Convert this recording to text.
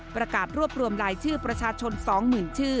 ประกาศรวบรวมลายชื่อประชาชนสองหมื่นชื่อ